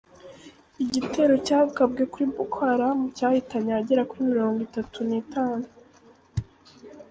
Igitero cyagabwe kuri Boko Haramu cyahitanye abagera kuri Mirongo Itatu nitanu